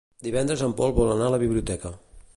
Divendres en Pol vol anar a la biblioteca.